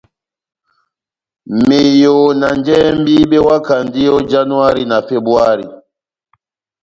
Meyo na njɛhɛmbi bewakandi ó Yanuhari na Febuwari.